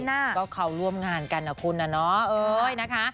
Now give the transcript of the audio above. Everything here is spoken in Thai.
ก็เขาร่วมงานกันนะคุณน่ะเนาะเอ้ยนะคะ